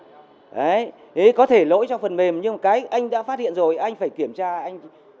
đấy có thể lỗi cho phần mềm nhưng mà cái anh đã phát hiện rồi anh phải kiểm tra anh